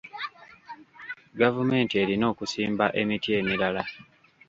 Gavumenti erina okusimba emiti emirala.